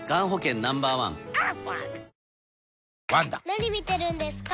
・何見てるんですか？